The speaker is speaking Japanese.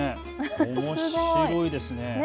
おもしろいですね。